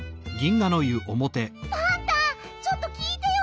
パンタちょっときいてよ。